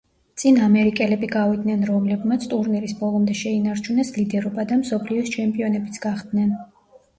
წინ ამერიკელები გავიდნენ, რომლებმაც ტურნირის ბოლომდე შეინარჩუნეს ლიდერობა და მსოფლიოს ჩემპიონებიც გახდნენ.